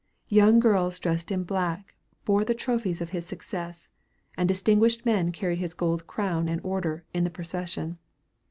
Young girls dressed in black bore the trophies of his success, and distinguished men carried his gold crown and order, in the procession.